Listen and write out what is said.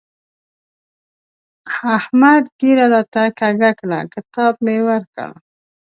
احمد ږيره راته کږه کړه؛ کتاب مې ورکړ.